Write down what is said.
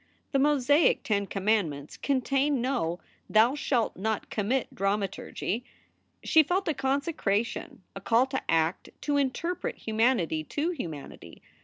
The Mosaic Ten Commandments contained no "Thou shalt not commit dramaturgy." She felt a consecration, a call to act, to interpret humanity to humanity.